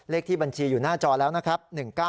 เลขที่บัญชีอยู่หน้าจอแล้วนะครับ